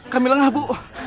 kamilah nga bu